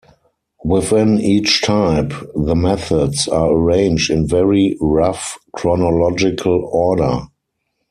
Within each type, the methods are arranged in very rough chronological order.